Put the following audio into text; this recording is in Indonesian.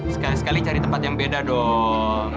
sekali sekali cari tempat yang beda dong